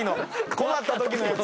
困ったときのやつ。